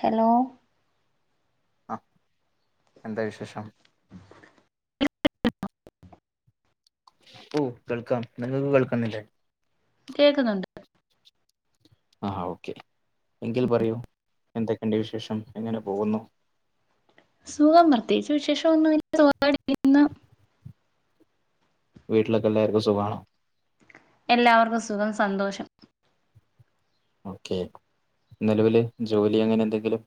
Hello അ എന്താ വിശേഷം ഓ കേൾക്കാം നിങ്ങക്ക് കേൾക്കുന്നില്ലേ കേക്കുന്നുണ്ട് ആ ഓക്കെ എങ്കിൽ പറയൂ എന്തൊക്കെണ്ട് വിശേഷം എങ്ങനെ പോകുന്നു സുഖം പ്രത്യേകിച്ച് വിശേഷൊന്നുല്ല [inaudible] വീട്ടിലൊക്കെല്ലാർക്കും സുഖാണോ എല്ലാവർക്കും സുഖം സന്തോഷം ഓക്കെ നിലവിൽ ജോലി അങ്ങനെന്തെങ്കിലും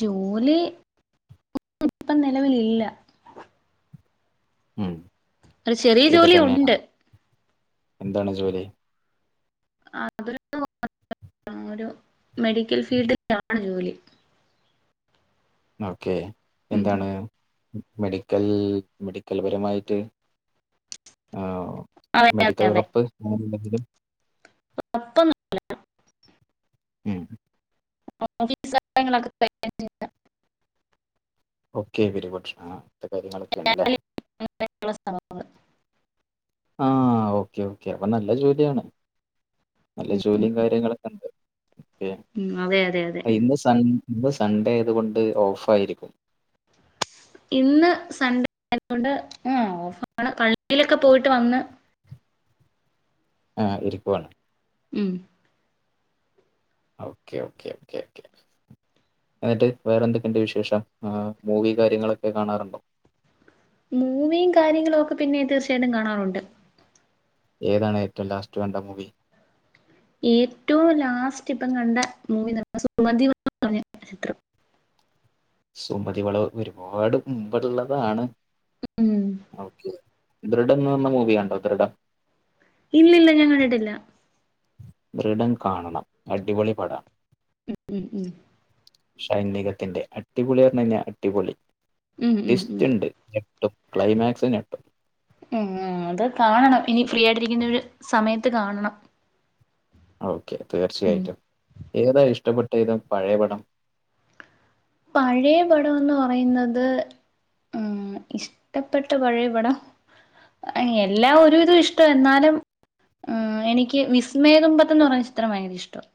ജോലി ഇപ്പം നെലവിലില്ല ഉം ഒരു ചെറിയ ജോലി വീട്ട്ത്തെന്നെണ് ഉണ്ട് എന്താണ് ജോലി [inaudible] മെഡിക്കൽ ഫീൽഡ് [inaudible] ജോലി ഓക്കേ ഉം എന്താണ് മെഡിക്കൽ മെഡിക്കൽപരമായിട്ട് അതെ അതെ മെഡിക്കൽ അതെ റപ്പ് അങ്ങനെന്തെങ്കിലും [inaudible] ഉം [inaudible] ഓക്കെ വെരി ഗുഡ് അത്തെ കാര്യങ്ങളൊക്കേണ് ലെ [inaudible] ആ ഓക്കെ ഓക്കെ അപ്പൊ നല്ല ജോലിയാണ് നല്ല ഉം ഉം ജോലിയും കാര്യങ്ങളൊ [inaudible] ഉം അതെ അതെ അതെ ഇന്ന് സൺ ഇ സൺഡേയത്കൊണ്ട് ഓഫായിരിക്കും ഇന്ന് സൺഡേ ആയതോണ്ട് അ ഓഫാണ് [unintelligible] യിലൊക്കെ പോയിട്ട് വന്ന് അ ഇരിക്കുവാണ് ഉം ഓക്കെ ഓക്കെ ഓക്കെ ഓക്കെ ന്ന്ട്ട് വേറെന്തൊക്കെണ്ട് വിശേഷം ആ മൂവി കാര്യങ്ങളൊക്കെ കാണാറുണ്ടോ മൂവിം കാര്യങ്ങളൊക്കെ പിന്നെ തീർച്ചയായിട്ടും കാണാറുണ്ട് ഏതാണേറ്റവും ലാസ്റ്റ് കണ്ട മൂവി ഏറ്റവും ലാസ്റ്റ് പ്പം കണ്ട മൂവി സുമതി [unintelligible] ചിത്രം സുമതി വളവ് ഒരുപാട് മുമ്പ്ള്ളതാണ് ഉം ഓക്കെ ദൃഢം ന്നർണ മൂവിയാണ്ടോ ദൃഢം ഇല്ല ഇല്ല ഞാൻ കണ്ടിട്ടില്ല ദൃഢം കാണണം അടിപൊളി പട ഉം ഉം ഉം സൈനികത്തിന്റെ അടിപൊളി എർണഴിഞ്ഞാ അടിപൊളി ഉം, ഉം, ഉം. ടിസ്റ്റ് ണ്ട് ഞെട്ടും ക്ലൈമാക്സ് ഞെട്ടും ഉം അത് കാണണം ഇനി ഫ്രീ ആയിട്ടിരിക്കുന്ന ഒരു സമയത്ത് കാണണം ഓക്കെ ഉം. തീർച്ചയായിട്ടും ഏതാ ഇഷ്ടപ്പെട്ട ഇത് പഴയ പടം പഴയ പടം എന്ന് പറയുന്നത് ഉമ് ഇഷ്ടപ്പെട്ട പഴയ പടം എല്ലാം ഒരുവിധം ഇഷ്ട എന്നാലും ആഹ് എനിക്ക് വിസ്മയ തുമ്പത്ത് എന്ന് പറഞ്ഞ ചിത്രം ഭയങ്കര ഇഷ്ടം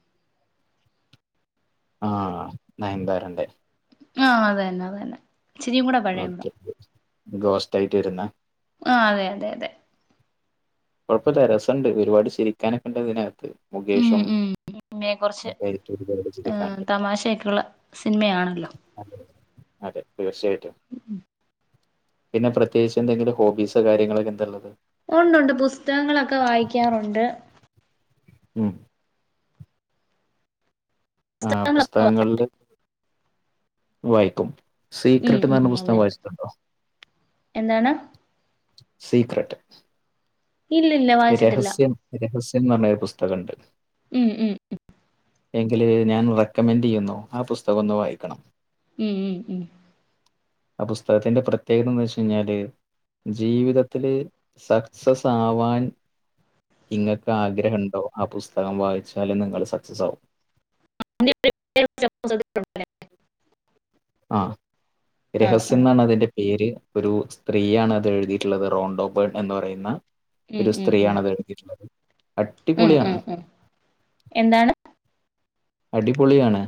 ആഹ് നയൻന്താര ന്റെ ആഹ് അത് തന്നെ അത് തന്നെ ചിരിയും കൂടെ പഴയ കൂട ഓക്കെ. ഗോസ്റ്റ് ആയിട്ട് വരുന്ന ആഹ് അതെ അതെ അതെ കുഴപ്പംല്ല രസണ്ട് ഒരുപാട് ഷിരിക്കാനൊക്കെ ഉണ്ടതിനകത്ത് മുകേഷും സിനമയെ കുറച്ച് ഒക്കെ ആയിട്ട് ഒരുപാട് ചിരിക്കാനുണ്ട് തമാശൊക്കെയുള്ള സിനിമയാണല്ലോ അതെ തീർച്ചയായിട്ടും പിന്നെ പ്രത്യേകിച്ച് എന്തെിലുംഹോബീസോ കാര്യങ്ങളൊക്കെ എന്താള്ളത് ഉണ്ട് ഉണ്ട് പുസ്തകങ്ങളൊക്കെ വായിക്കാറുണ്ട് ഉം ആഹ് പുസ്തകങ്ങളില് വായിക്കും ഉം സീക്രട്ട് എന്ന് ഉം പറഞ്ഞ അതെ പുസ്തകം അതെ വായിച്ചിട്ടുണ്ടോ എന്താണ് സീക്രട്ട് ഇല്ല ഇില്ല രഹസ്യം രഹസ്യംന്ന് പറഞ്ഞരു പുസ്തകണ്ട് ഉം ഉം ഉം എങ്കില് ഞാൻ റെക്കമെൻഡ് ചെയ്യുന്നു ആ പുസ്തകം ഒന്ന് വായിക്കണം ഉം ഉം ഉം ആഹ് പുസ്തകത്തിന്റെ പ്രത്യേകതെന്ന് വെച്ചെയ്ഞ്ഞാല്. ജീവിതത്തില് സക്സസ് ആവാൻ. ഇങ്ങക്ക് ആഗ്രഹണ്ടോ ആ പുസ്തകം വായിച്ചാല് നിങ്ങള് സക്സസാകും. അതിന്റെ പേരൊന്ന്. [inaudible] ആഹ്. ആഹ് രഹസ്യം ആഹ് ന്നാണ് അതിന്റെ പേര് ഒരു സ്ത്രീയാണ് അത് എഴുതീട്ട്ള്ളത് റോണ്ടോപൊയൺ എന്ന് പറയുന്ന. ഉം ഒരു ഉം ഉം സ്ത്രീയാണത് എഴ്തീട്ട്ള്ളത്. ഉം ഉം ഉം എന്താണ്. അടിപൊളിയാണ്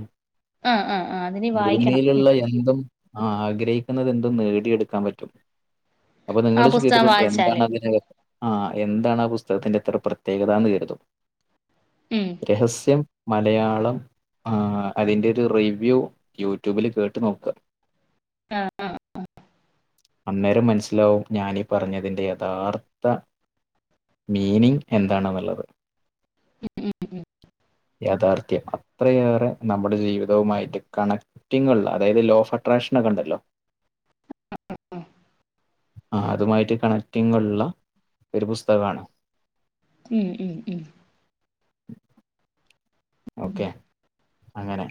ആഹ് ആഹ് ആഹ് അതിനി വായിക്കണം ഉം ഭൂമിയില്ള്ള എന്തും. ആഹ് ആഗ്രഹിക്കുന്നതെന്തും നേടിയെടുക്കാൻ പറ്റും. അപ്പൊ ആഹ് നിങ്ങള് ശ് പുസ്തകം കരുതും വായിച്ചാല് എന്താണ് അതിന്. ആഹ് എന്താണ് ആ പുസ്തകത്തിന്റെ ത്ര പ്രത്യേകതാന്ന് കരുതും. ഉം. രഹസ്യം മലയാളം. ആഹ് അതിന്റെ ഒരു റിവ്യൂ യൂട്യൂബിൽ കേട്ട് നോക്ക. ആഹ്, ആഹ്, ആഹ്. അന്നേരം മനസ്സിലാവും ഞാനീ പറഞ്ഞതിന്റെ യഥാർത്ഥ. മീനിങ്ങ് എന്താണ്ന്ന്ള്ളത്. ഉം, ഉം. യാഥാർത്ഥ്യം. അത്രയേറെ നമ്മുടെ ജീവിതവുമായിട്ട് കണക്റ്റിങ്ങ്ള്ള അതായത് ലോ ഓഫ് അട്രാക്ഷൻ ഒക്കെണ്ടല്ലോ. [inaudible] ആഹ്. ആഹ് അതുമായിട്ട് കണക്റ്റിങ്ങ്ള്ള ഒരു പുസ്തകാണ്. ഉം, ഉം, ഉം. ഓക്കെ അങ്ങനെ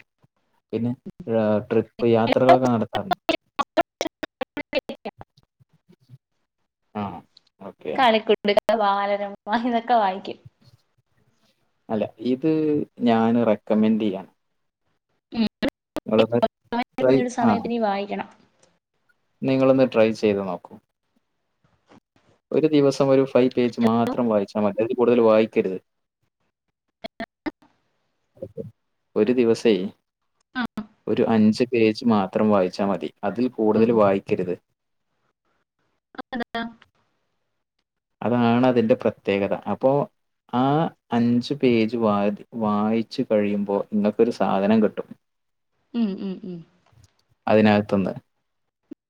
പിന്നെ ഹ് ട്രിപ്പ് യാത്രകളൊക്കെ നടത്താറ്ണ്ടോ. [inaudible] ആഹ്. കളിക്കുടുക്കാ ബാലരമ ഇതൊക്കെ വായിക്കും. അല്ല ഇത് ഞാന് റെക്കമെൻഡ് ചെയ്യാം. ഉം ഇങ്ങളൊന്ന് ട്രൈ ഒരു ആഹ്. സമയത്തിന് വായിക്കണം. നിങ്ങളൊന്ന് ട്രൈ ചെയ്ത് നോക്കൂ. ഒരു ദിവസം ഒരു ഫൈവ് പേജ് മാത്രം വായിച്ചാ മതി അതി കൂടുതൽ വായിക്കരുത്. ഒരു ദിവസേ ഒരു അഞ്ച് പേജ് മാത്രം വായിച്ചാ മതി അതിൽ ഉം കൂടുതൽ വായിക്കരുത്. ആതെന്താ. അതാണ് അതിന്റെ പ്രത്യേകത അപ്പോ ആഹ് അഞ്ച് പേജ് വാദി വായിച്ചു കഴിയുമ്പോ ഇങ്ങക്കൊരു സാധനം കിട്ടും. ഉം ഉം ഉം. അതിനകത്ത്ന്ന്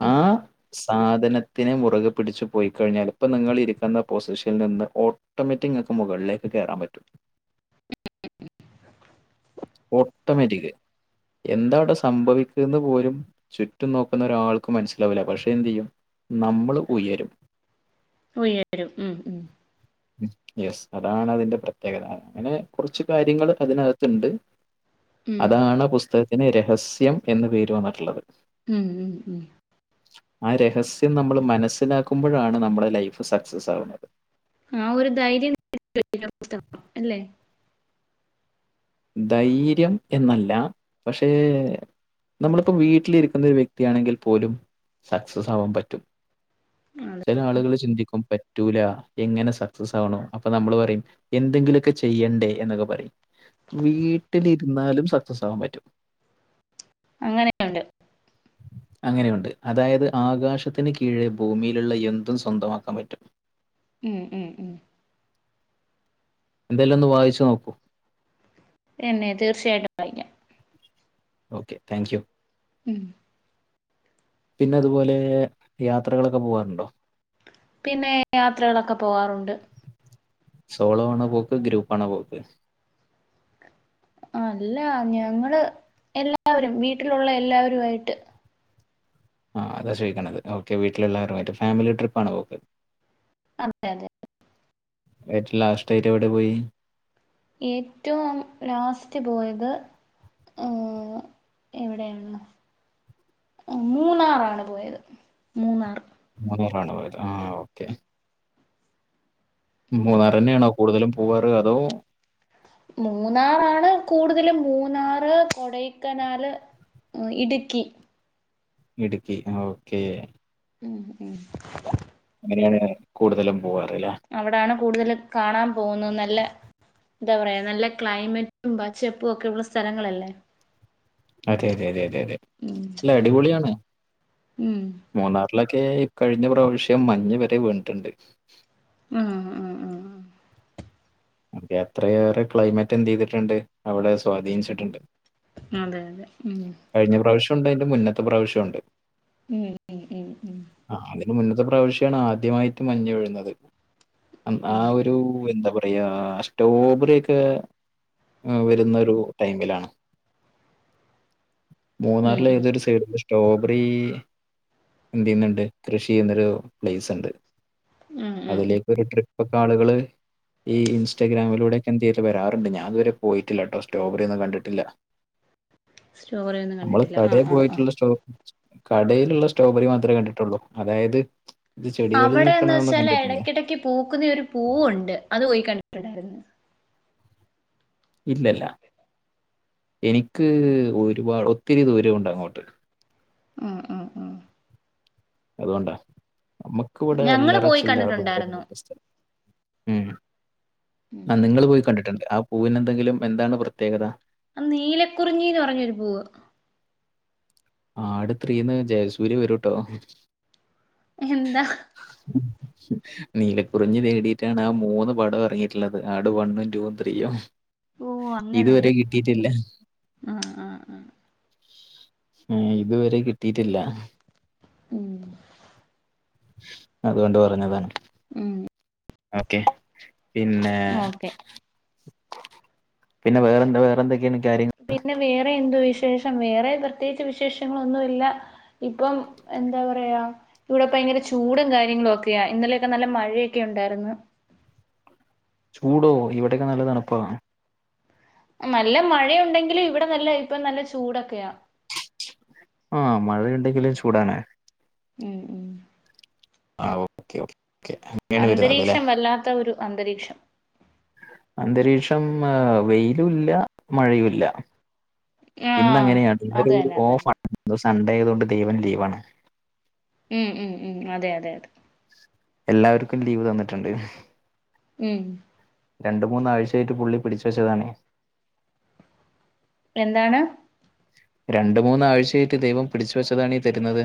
ഉം ആഹ്. സാധനത്തിനെ മുറ്കെ പിടിച്ച് പോയിക്കഴിഞ്ഞാൽ ഇപ്പ നിങ്ങിളിരിക്കുന്ന പൊസിഷനിൽ നിന്ന് ഒ ട്ടോമാറ്റി ഇങ്ങക്ക് മുകൾലേക്ക് കേറാംപറ്റും. [inaudible] ഒട്ടോമാറ്റിക് എന്താവിടെ സംഭവിക്ക്ന്നെ പോലും. ചുറ്റും നോക്കുന്ന ഒരാൾക്കും മനസ്സിലാവില്ല പക്ഷെ എന്ത്യ്യും നമ്മള് ഉയരും. ഉയരും ഉം ഉം ഉം യെസ് അതാണ് അതിന്റെ പ്രത്യേകത അങ്ങനെ കുറച്ച് കാര്യങ്ങള് അതിനകത്ത്ണ്ട്. ഉം അതാണ് പുസ്തകത്തിന് രഹസ്യം എന്ന് പേര് വന്നിട്ട്ള്ളത്. ഉം ഉം ഉം. ആഹ് രഹസ്യം നമ്മൾ മനസ്സിലാക്കുമ്പോഴാണ് നമ്മുടെ ലൈഫ് സക്സസ് ആകുന്നത് ആഹ് ഒരു ധൈര്യം [unintelligible] കം അല്ലേ ധൈര്യം എന്നല്ല പക്ഷേ നമ്മളിപ്പോം വീട്ടിലിരിക്കുന്ന ഒരു വ്യക്തിയാണെങ്കിൽ പോലും സക്സസ് ആവാൻ പറ്റും ആള് ചെല ആളുകൾ ചിന്തിക്കും പെ റ്റൂലാ എങ്ങനെ സക്സസാണോ അപ്പൊ നമ്മള് പറയും എന്തെങ്കിലുക്കെ ചെയ്യണ്ടേ എന്നൊക്കെ പറയും വീട്ടിലിർന്നാലും സക്സസാവാൻ പറ്റും അങ്ങനെക്കുണ്ട് അങ്ങനെയുണ്ട് അതായത് ആകാശത്തിന് കീഴെ ഭൂമിയിലുള്ള എന്തും സ്വന്തമാക്കാൻ പറ്റും ഉം ഉം ഉം ന്തേലൊന്ന് വായിച്ച് നോക്കൂ എന്നെ തീർച്ചയായിട്ടും വായിക്കാം ഓക്കെ താങ്ക്യൂ ഉം പിന്നെ അതുപോലെ യാത്രകളൊക്കെ പോവാറുണ്ടോ പിന്നെ യാത്രകളൊക്കെ പോകാറുണ്ട് സോളോ ആണോ പോക്ക് ഗ്രൂപ്പാ ണോ പോക്ക് അല്ല ഞങ്ങള് എല്ലാവരും വീട്ടിലുള്ള എല്ലാവരു ആയിട്ട് ആഹ് അതാ ചോയ്ക്ക്ണത് ഓക്കെ വീട്ടിലുള്ളാരുയിട്ട് ഫാമിലി ട്രിപ്പാണ് പോക്ക് അതെ അതെ ഏറ്റും ലാസറ്റായിട്ട് എവിടെ പോയി ഏറ്റും ലാസ്റ്റ് പോയത് ആഹ് എവിടെയാണ് മൂന്നാറാണ് പോയത് മൂന്നാർ മൂന്നാർ ആണ് പോയത് ആഹ് ഓക്കേ മൂന്നാരന്നെണോ കൂടുതലും പോവാറ് അതോ മൂന്നാറാണ് കൂടുതല് മൂന്നാറ് കൊടൈക്കനാല് ഇടുക്കി ഇടുക്കി ആഹ് ഓക്കേ ഉം ഉം അങ്ങനെയാണ് കൂടുതലും പോവാറ്ല്ലേ അവിടാണ് കൂടുതൽ കാണാൻ പോകുന്നത് നല്ല ന്താ പറയാ നല്ല ക്ലൈമറ്റും പചപ്പും ഒക്കെ ഉള്ളസ്ഥലങ്ങളല്ലേ അതെ അതെ അതെ അതെ അതെ ഉം ലഅല്ല അടിപൊളിയാണ് ഉം മൂന്നാറിലൊക്കെ കഴിഞ്ഞ പ്രാവശ്യം മഞ്ഞ് വരെ വീണിട്ടുണ്ട് ആഹ് ആഹ് ആഹ് എത്രയേറെ ക്ലൈമറ്റ് എന്ത്യ്തിട്ടുണ്ട് അവിടെ സ്വാധീനിച്ചിട്ടുണ്ട് അതെ അതെ ഉം കഴിഞ്ഞ പ്രാവശ്യം ഉണ്ട് അതിന്റെ മുന്നത്തെ പ്രാവശ്യം ഉണ്ട് ഉം ഉം ഉം ഉം ആഹ് അതിന്റെ മുന്നത്തെ പ്രാവശ്യാണ് ആദ്യമായിട്ട് മഞ്ഞ് വീഴുന്നത് ഉം ഉം ഉം ആഹ് ഒരു എന്താ പറ യാ സ്ട്രോബറിക്കെ വരുന്നൊരു ടൈമിലാണ് മൂന്നാറില ഉം ഏതൊരു സൈഡിത്തെ സ്ട്രോബെറി എന്ത് ന്നുണ്ട് കൃഷി ചെയ്യുന്നൊരു പ്ലേസ് ഉണ്ട് ഉം ഉം ഉം അതിലേക്ക് ഒരു ട്രിപ്പൊക്കെളുകള് ഈ ഇൻസ്റ്റഗ്രാമിലൂടൊക്കെ ന്ത് വരാറണ്ട് ഞൻ ഇതുവരെ പോയിട്ടില്ലട്ടോ സ്ടോബറിയന്നും കണ്ടിട്ടില്ല സ്റ്റോബറിന്നും കണ്ടിട്ടില്ല ആഹ് ആഹ് ആഹ് കടേലുള്ള സ്ട്രോബെറി മാത്രേ കണ്ടിട്ടുള്ളൂ അതായത് ഇത് ചെടികളിൽ നിൽക്കണതൊന്നും അവിടെന്താച്ചാല് കണ്ടിട്ടില്ല എടക്കെടക്ക് പൂക്കുന്ന ഒര് പൂവുണ്ട് അത് പോയി കണ്ടിട്ടുണ്ടായിര്ന്ന് ഇല്ല ഇല്ല എനിക്ക് ഒരുപാട് ഒത്തിരി ദൂരൊണ്ട് അങ്ങോട്ട് ആഹ് അഹ് അത്കൊണ്ടാ നമ്മക്ക് ഇവ്ടെ ഞങ്ങള് അല്ലറ പോയി ചില്ലറ കണ്ടിട്ടുണ്ടായിരുന്നു പരിപാട്യൊന്നുംപ്പഷ്ടല്ല ഉം ഉം ആഹ് നിങ്ങള് പോയി കണ്ടിട്ട്ണ്ട് ആഹ് പൂവിനെന്തെങ്കിലും എന്താണ് പ്രത്യേകത ആഹ നീലക്കുറിഞ്ഞീന്ന് പറഞ്ഞൊരു പൂവ് ആട് ത്രീന്ന് ജയസൂര്യ വരൂട്ടോ എന്താ നീലക്കുറിഞ്ഞി തേടീട്ടാണ് ആഹ മൂന്ന് പടോം എറങ്ങീട്ട്ള്ളത് ആട് വണ്ണും ടൂവും ത്രീയും ഓ ഇത് അങ്ങനെ വരെ കിട്ടീട്ടില്ല ആഹ് ആഹ് ആഹ് ആഹ് ഇത് വരെ കിട്ടീട്ടില്ല ഉം അത്കൊണ്ട് പറഞ്ഞതാണ് ഉം ഓക്കെ പിന്നെ ഓക്കെ പിന്നെ വേറെന്താ വേറെന്തൊക്കേണ് കാര്യങ്ങൾ പിന്നെ വേറെ എന്ത് വിശേഷം വേറെ പ്രത്യേകിച്ച് വിശേഷങ്ങളൊന്നു ഇല്ല. ഇപ്പം എന്താ പറയാ ഇവിടെപ്പ ഭയങ്കര ചൂടും കാര്യങ്ങളൊക്കെയാ ഇന്നലെയൊക്കെ നല്ല മഴയൊക്കെണ്ടായിര്ന്ന് ചൂടോ ഇവിടെയൊക്കെ നല്ല തണ്പ്പാ നല്ല മഴയുണ്ടെങ്കിലും ഇവിടെ നല്ല ഇപ്പ നല്ല ചൂടൊക്കെയാ ആ മഴയുണ്ടെങ്കിലും ചൂടാണ് ഉം ഉം അ ഓ അന്തരീക്ഷം വല്ലാത്ത ഒരു അന്തരീക്ഷം അന്തരീക്ഷം അ വെയ്ലൂല്ല മഴയൂല്ല ആഹ് ഇന്നങ്ങനെയാണ് അത് ഇന്നൊരു തന്നെ അത് തന്നെ ഓഫാണ് ഇന്ന് സൺഡേ ആയതോണ്ട് ദൈവം ലീവാണ്. ഉം ഉം ഉം അതെ അതെ അതെ എല്ലാവർക്കും ലീവ് തന്നിട്ട്ണ്ട് ഉം രണ്ട് മൂന്നാഴ്ചായിട്ട് പുള്ളി പിടിച്ച് വെച്ചതാണ് എന്താണ് രണ്ട് മൂന്നാഴ്ചായിട്ട് ദൈവം പിടിച്ച് വെച്ചതാണീ തര്ന്നത്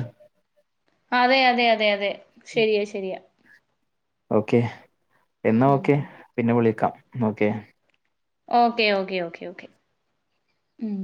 അതെ അതെ അതെ അതെ ശരിയാ ശരിയാ ഓക്കെ എന്നാ ഉം ഓക്കെ പിന്നെ വിളിക്കാം okay okay okay okay okay ഉം